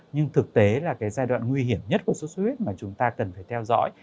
nhưng thực tế là cái giai đoạn nguy hiểm nhất của sốt xuất huyết mà chúng ta cần phải theo dõi